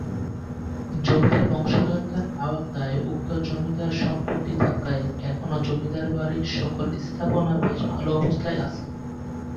জমিদার বংশধরদের আওতায় উক্ত জমিদার সম্পত্তি থাকায় এখনো জমিদার বাড়ির সকল স্থাপনা বেশ ভালো অবস্থায় আছে।